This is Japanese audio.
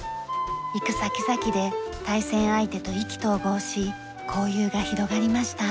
行く先々で対戦相手と意気投合し交友が広がりました。